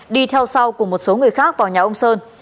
đi theo sau cùng một số người khác vào nhà ông sơn